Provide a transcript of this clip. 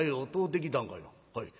「はい。